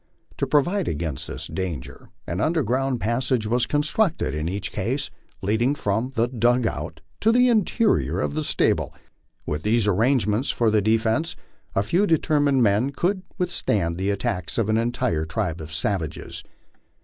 To provide against this danger, an underground passage was constructed in each case, leading from the * dug out " to the interior of the stable. With these arrangements for defence a few determined men could withstand the attacks of an entire tribe of savages.